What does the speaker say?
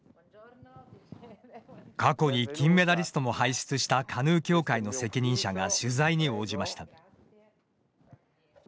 過去に金メダリストも輩出したカヌー協会の責任者が取材に応じました。